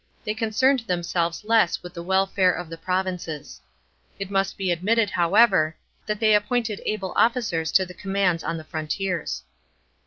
They concerned themselves less with the welfare of the provinces. It must be admitted, however, 54 68 A.D. THE SENATE UNDEK NKRO. 299 that they appointed able officers to the commands on the frontiers.